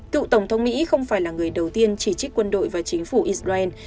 cựu tổng thống mỹ không phải là người đầu tiên chỉ trích quân đội và chính phủ israel